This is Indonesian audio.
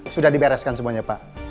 sudah dibereskan semuanya pak